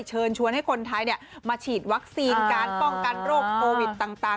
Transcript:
เชิญชวนให้คนไทยมาฉีดวัคซีนการป้องกันโรคโควิดต่าง